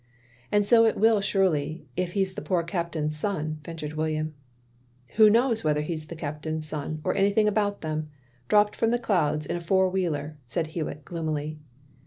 " And so it will surely, if he 's the poor Captain's son, " ventured William. " Who knows whether he 's the Captain's son, or anything about them? Dropped from the clouds in a four wheeler, " said Hewitt, gloomily.